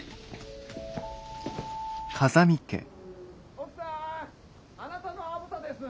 奥さんあなたの虻田です。